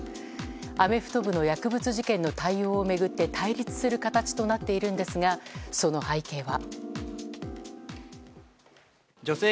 アメフト部の薬物事件の対応を巡って対立する形となっているんですがその背景は。